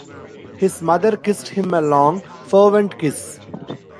His mother kissed him a long, fervent kiss.